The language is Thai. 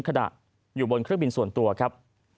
ขณะอยู่บนเครื่องบินส่วนตัวครับ